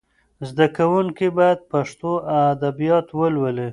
زده کونکي باید پښتو ادبیات ولولي.